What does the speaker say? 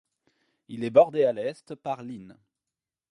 Il est bordé à l'est par l'Inn.